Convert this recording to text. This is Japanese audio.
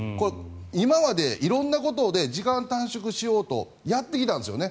今まで色んなことで時間を短縮しようとやってきたんですよね。